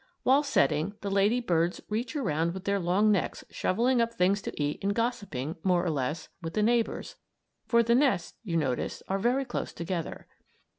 While setting, the lady birds reach around with their long necks shovelling up things to eat and gossiping, more or less, with the neighbors; for the nests, you notice, are very close together.